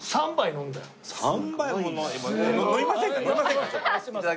飲みませんか？